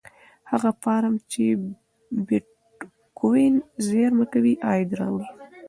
هغه فارم چې بېټکوین زېرمه کوي عاید راوړي.